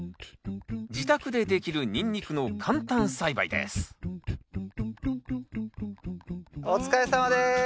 自宅でできるニンニクの簡単栽培ですお疲れさまです。